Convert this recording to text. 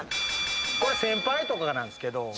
これ先輩とかがなんすけど。